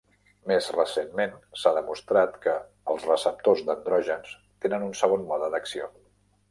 Més recentment, s'ha demostrat que els receptors d'andrògens tenen un segon mode d'acció.